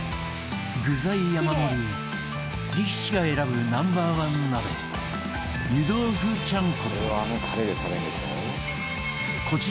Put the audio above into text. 具材山盛り力士が選ぶＮｏ．１鍋湯豆腐ちゃん